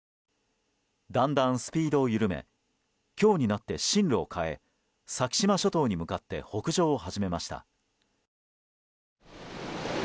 だんだんスピードを緩め今日になって進路を変え先島諸島に向かって北上を始めました。